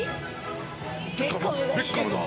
ベッカムだ。